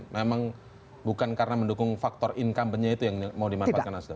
memang bukan karena mendukung faktor incumbentnya itu yang mau dimanfaatkan nasdem